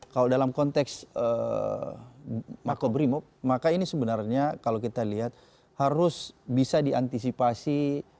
kalau dalam konteks makobrimob maka ini sebenarnya kalau kita lihat harus bisa diantisipasi